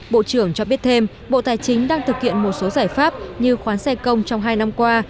bộ trưởng cho biết thêm bộ tài chính đang thực hiện một số giải pháp như khoán xe công trong hai năm qua